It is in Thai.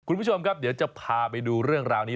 คุณผู้ชมครับเดี๋ยวจะพาไปดูเรื่องราวนี้